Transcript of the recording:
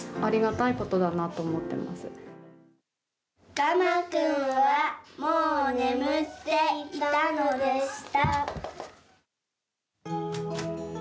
「がまくんはもうねむっていたのでした」。